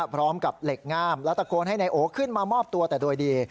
พร้อมกับเหล็กง่ามแล้วตะโกนให้นายโอขึ้นมามอบตัวแต่โดยดี